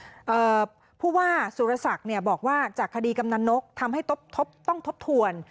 เพราะว่าสุรสักฯบอกว่าจากคดีกำนันนกทำให้ต้องทบทวน